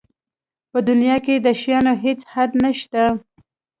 په دنیا کې د شیانو هېڅ حد نشته.